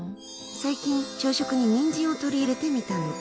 最近、朝食にニンジンを取り入れてみたの。